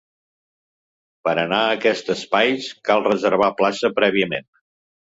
Per a anar a aquests espais, cal reservar plaça prèviament.